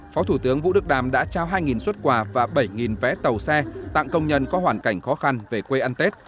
phó thủ tướng vũ đức đàm đã trao hai xuất quà và bảy vé tàu xe tặng công nhân có hoàn cảnh khó khăn về quê ăn tết